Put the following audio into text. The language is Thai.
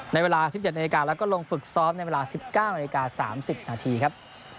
ในเวลา๑๗นาฬิกาแล้วก็ลงฝึกซ้อมในเวลา๑๙นาฬิกา๓๐นาทีครับ